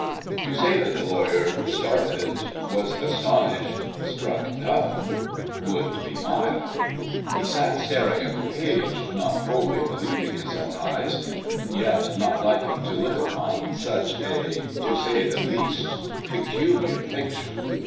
To say that the lawyer started, was astonished, struck dumb would be mild. He sat staring at the page, not wholly believing his own eyes, and yet not liking to look upon such a to say the least peculiar picture.